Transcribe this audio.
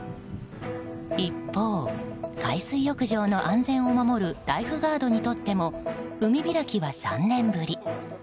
一方、海水浴場の安全を守るライフガードにとっても海開きは３年ぶり。